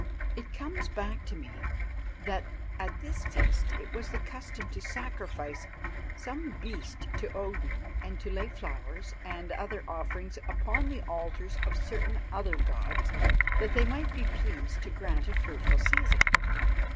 It comes back to me that at this feast it was the custom to sacrifice some beast to Odin and to lay flowers and other offerings upon the altars of certain other gods that they might be pleased to grant a fruitful season.